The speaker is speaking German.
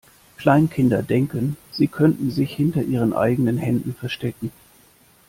Kleinkinder denken, sie könnten sich hinter ihren eigenen Händen verstecken.